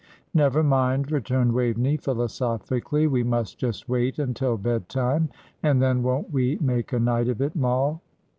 "Never mind," returned Waveney, philosophically. "We must just wait until bed time; and then won't we make a night of it, Moll?"